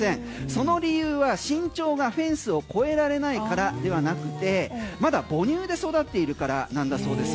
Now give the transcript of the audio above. その理由は身長がフェンスを越えられないからではなくてまだ母乳で育っているからなんだそうです。